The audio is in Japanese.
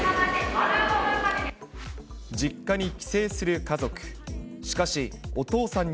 実家に帰省する家族。